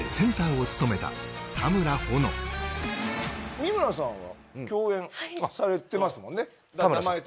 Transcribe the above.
三村さんは共演されてますもんね。